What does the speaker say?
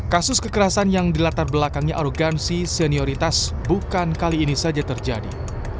kasus kekerasan yang dilatar belakangnya arogansi senioritas bukan kali ini saja terjadi